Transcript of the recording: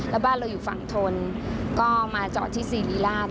แล้วบ้านเราอยู่ฝั่งทนก็มาจอดที่สิริราช